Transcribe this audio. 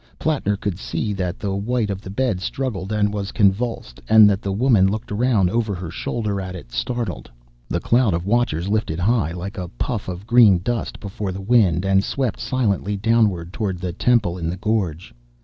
Plattner could see that the white of the bed struggled, and was convulsed; and that the woman looked round over her shoulder at it, startled. The cloud of watchers lifted high like a puff of green dust before the wind, and swept swiftly downward towards the temple in the gorge.